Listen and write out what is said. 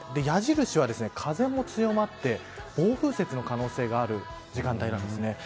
矢印は風も強まって暴風雪の可能性がある時間帯です。